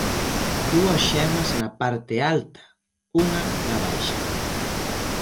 Dúas xemas na parte alta, unha na baixa.